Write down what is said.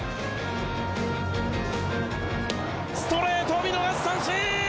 ストレート見逃し三振！